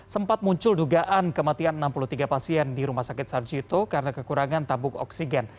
sempat muncul dugaan kematian enam puluh tiga pasien di rumah sakit sarjito karena kekurangan tabung oksigen